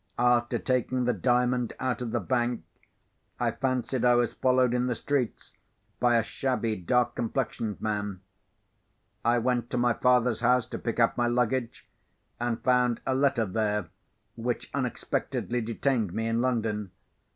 After taking the Diamond out of the bank, I fancied I was followed in the streets by a shabby, dark complexioned man. I went to my father's house to pick up my luggage, and found a letter there, which unexpectedly detained me in London.